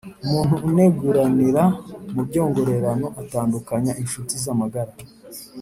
umuntu uneguranira mu byongorerano atandukanya incuti z’amagara